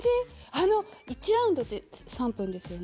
あの１ラウンドって３分ですよね？